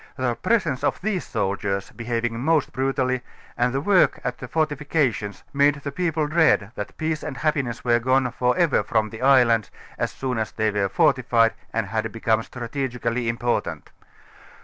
The presence of these soldiei┬╗s, be having most brutallj^ and the work at the fortifications, made the people dread, that peace and happiness were gone for ever from the islands as soon as they were fortified and had become strategically important.